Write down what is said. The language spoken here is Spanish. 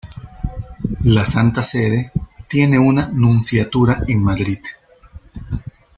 La Santa Sede tiene una Nunciatura en Madrid.